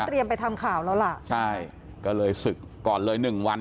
ไปทำข่าวแล้วล่ะใช่ก็เลยศึกก่อนเลยหนึ่งวัน